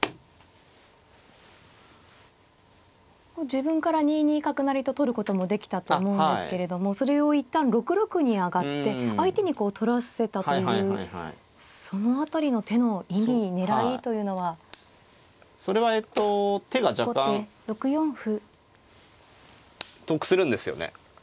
自分から２二角成と取ることもできたと思うんですけれどもそれを一旦６六に上がって相手にこう取らせたというその辺りの手の意味狙いというのは。それはえっと手が若干得するんですよね。